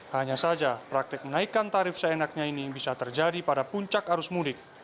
hanya saja praktik menaikkan tarif seenaknya ini bisa terjadi pada puncak arus mudik